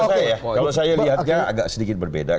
kalau saya lihatnya agak sedikit berbeda